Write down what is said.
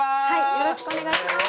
よろしくお願いします。